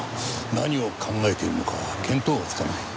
何を考えているのか見当がつかない。